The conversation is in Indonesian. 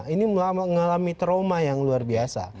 ini mengalami trauma yang luar biasa